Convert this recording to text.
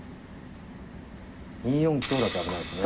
２四香だと危ないですね。